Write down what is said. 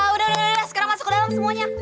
udah udah deh sekarang masuk ke dalam semuanya